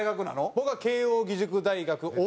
僕は慶應義塾大学。